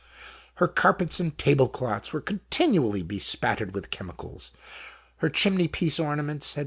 Her carpets and tablecloths were continually bespattered with chemicals; her chimney piece ornaments had THE MAN WITH THE ROLLEE.